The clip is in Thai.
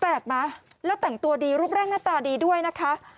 แปลกมาแล้วแต่งตัวดีรูปแรกหน้าตาดีด้วยนะคะ